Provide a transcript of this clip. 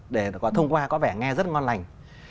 để thông qua có vẻ nghe rất ngon lành